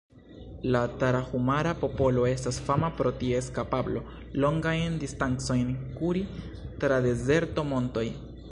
La Tarahumara-popolo estas fama pro ties kapablo, longajn distancojn kuri tra dezerto, montoj.